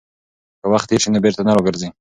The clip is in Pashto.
که وخت تېر شي نو بېرته نه راګرځي.